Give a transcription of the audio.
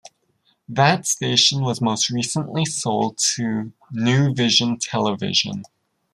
That station was most recently sold to New Vision Television.